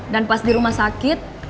dan pas di rumah sakit